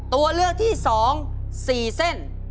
ตัวเลือกที่๒๔เส้น